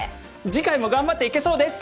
次回も頑張っていけそうです！